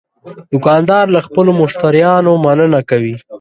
دوکاندار له خپلو مشتریانو مننه کوي.